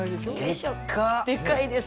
でかいです。